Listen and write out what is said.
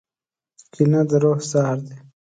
کینه د روح زهر دي.